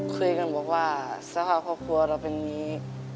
คุยกันบอกว่าสภาพครอบครัวเราเป็นมี